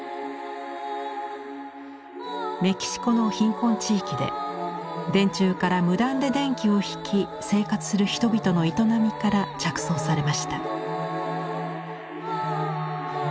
メキシコの貧困地域で電柱から無断で電気を引き生活する人々の営みから着想されました。